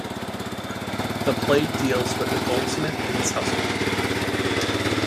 The play deals with a goldsmith and his household.